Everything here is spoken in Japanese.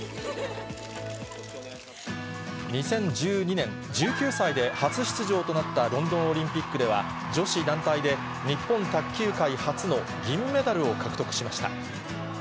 ２０１２年、１９歳で初出場となったロンドンオリンピックでは、女子団体で日本卓球界初の銀メダルを獲得しました。